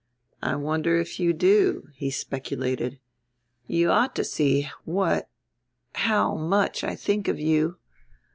"I wonder if you do," he speculated. "You ought to see what how much I think of you.